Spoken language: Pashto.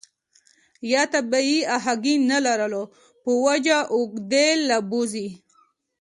يا طبي اګاهي نۀ لرلو پۀ وجه اوږدې له بوځي